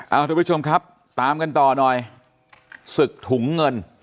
เอาทุกผู้ชมครับตามกันต่อหน่อยศึกถุงเงิน